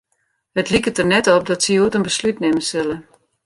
It liket der net op dat se hjoed in beslút nimme sille.